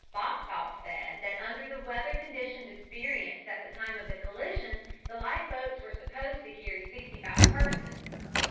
Boxhall said that under the weather conditions experienced at the time of the collision the life boats were supposed to carry sixty five persons.